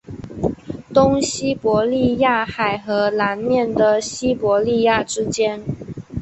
东西伯利亚海和南面的西伯利亚之间。